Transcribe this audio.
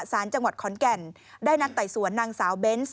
สารจังหวัดขอนแก่นได้นัดไต่สวนนางสาวเบนส์